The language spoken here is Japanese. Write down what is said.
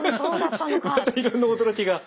いろんな驚きが。